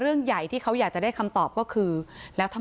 เป็นคนจ่ายค่าใช้จ่ายในการไปหาหมอของพ่อของแม่ด้วยค่ะ